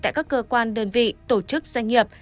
tại các cơ quan đơn vị tổ chức doanh nghiệp